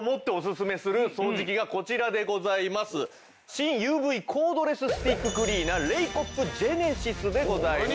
新ＵＶコードレススティッククリーナーレイコップジェネシスでございます。